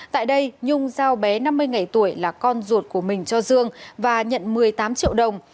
tại đây nhung giao bé năm mươi ngày tuổi là con ruột của mình cho dương và nhận một mươi tám triệu đồng